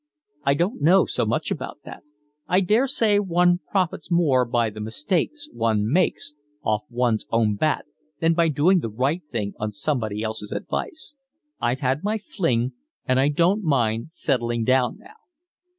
"I don't know so much about that. I daresay one profits more by the mistakes one makes off one's own bat than by doing the right thing on somebody's else advice. I've had my fling, and I don't mind settling down now."